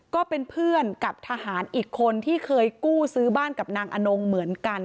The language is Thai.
ก็เป็นเพื่อนกับทหารอีกคนที่เคยกู้ซื้อบ้านกับนางอนงเหมือนกัน